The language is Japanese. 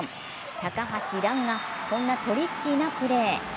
高橋藍がこんなトリッキーなプレー！